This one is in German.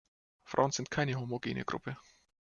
Frauen sind keine homogene Gruppe.